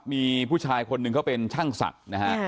มีผู้ชายคนนึงเขาเป็นชั่งสัตว์นะฮะ